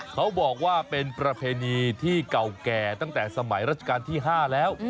เขาบอกว่าเป็นประเพณีที่เก่าแก่ตั้งแต่สมัยราชการที่๕แล้ว